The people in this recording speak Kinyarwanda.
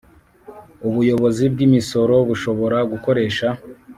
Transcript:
Ubuyobozi bw Imisoro bushobora gukoresha